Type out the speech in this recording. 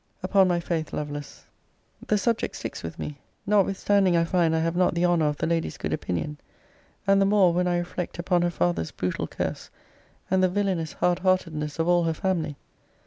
Upon my faith, Lovelace, the subject sticks with me, notwithstanding I find I have not the honour of the lady's good opinion. And the more, when I reflect upon her father's brutal curse, and the villainous hard heartedness of all her family.